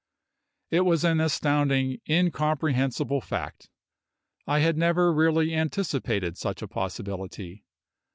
It was an astounding, incomprehensible fact; I had never really anticipated such a possibility.